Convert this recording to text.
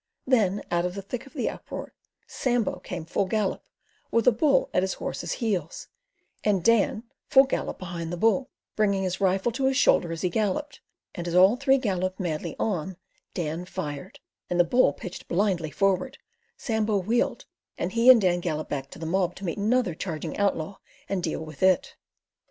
Then out of the thick of the uproar Sambo came full gallop, with a bull at his horse's heels, and Dan full gallop behind the bull, bringing his rifle to his shoulder as he galloped, and as all three galloped madly on Dan fired, and the bull pitching blindly forward, Sambo wheeled, and he and Dan galloped back to the mob to meet another charging outlaw and deal with it.